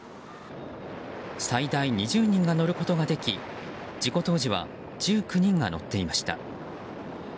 最大２０人が乗ることができ事故当時は１９人が乗っていました。